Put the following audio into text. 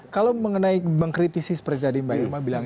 kalau mengenai mengkritisi seperti tadi mbak irma bilang